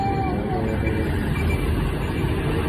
সে বলেছে আমি যদি আপনাকে বলি সে আমাকে মেরে ফেলবে কে?